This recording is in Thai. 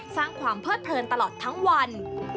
สร้างความเพิดเพลินตลอดทั้งวัน